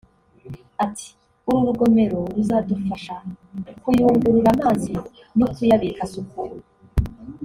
Ati “uru rugomero ruzadufasha kuyungurura amazi no kuyabika asukuye